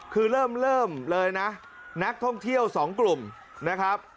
คือเริ่มเลยนะนักท่องเที่ยวสองกลุ่มนะครับ